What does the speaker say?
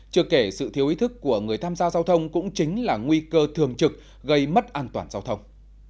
chưa kể sự thiếu ý thức của người tham gia giao thông cũng chính là nguy cơ thường trực gây mất an toàn giao thông